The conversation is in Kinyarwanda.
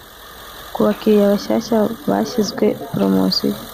Ku bakiriya bashyashya bashyizwe polomosiyo.